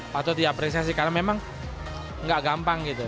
patut diapresiasi karena memang nggak gampang gitu